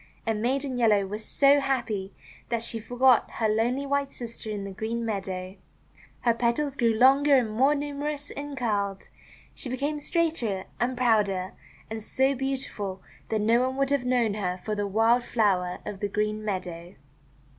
And Maiden Yellow was so happy that she forgot her lonely white sister in the green meadow. Her petals grew longer and more numerous, and curled. She became straighter, and prouder, and so beautiful that no one would have TWO WILD CHRYSANTHEMUMS 51 known her for the wild flower of the green meadow.